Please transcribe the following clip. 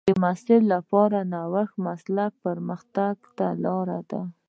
د محصل لپاره نوښت د مسلک پرمختګ ته لار ده.